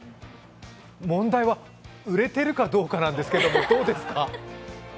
問題は、売れてるかどうかなんですけど、どうですか？